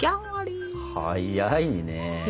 早いね。